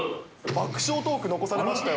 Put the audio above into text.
爆笑トーク残されましたよ。